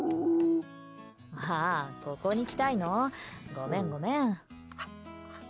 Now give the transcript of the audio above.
ああ、ここに来たいの？ごめんごめん。